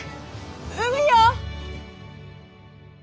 海よ！